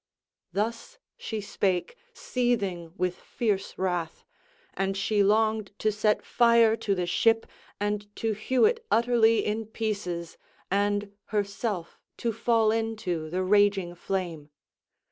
Thus she spake, seething with fierce wrath; and she longed to set fire to the ship and to hew it utterly in pieces, and herself to fall into the raging flame.